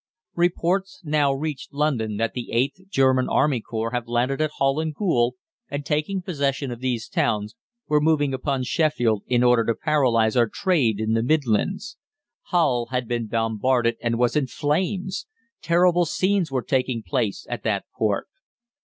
'" Reports now reached London that the VIIth German Army Corps had landed at Hull and Goole, and taking possession of these towns, were moving upon Sheffield in order to paralyse our trade in the Midlands. Hull had been bombarded, and was in flames! Terrible scenes were taking place at that port.